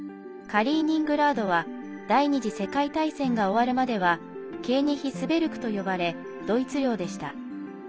カリーニングラードは第２次世界大戦が終わるまではケーニヒスベルクと呼ばれドイツ領でした。